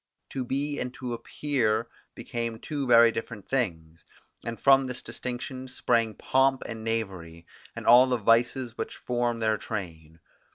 To be and to appear became two very different things, and from this distinction sprang pomp and knavery, and all the vices which form their train.